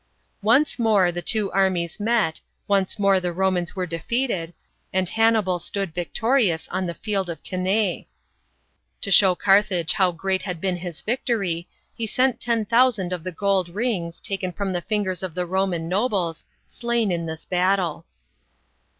Once more the two armies met, once more the Romans were defeated, and Hannibal stood victori ous on the battlefield of Cannce. To show Carthage how great had been his victory, he sent ten thou sand of the gold rings, taken from the fingers of the Roman nobles, slain in this battle.